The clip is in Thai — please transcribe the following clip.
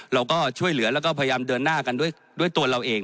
เราก็ช่วยเหลือแล้วก็พยายามเดินหน้ากันด้วยตัวเราเอง